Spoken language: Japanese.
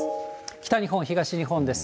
北日本、東日本です。